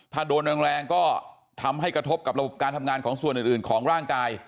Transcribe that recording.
ถ้าโดนแรงก็ทำให้กระทบกับระบบการทำงานของส่วนอื่นของร่างกาย